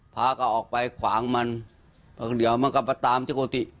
พระก็ออกไปขวางมันเพราะเดี๋ยวมันก็ไปตามที่โกติ